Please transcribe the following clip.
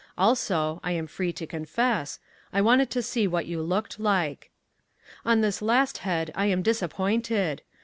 Also, I am free to confess, I wanted to see what you looked like. On this last head I am disappointed.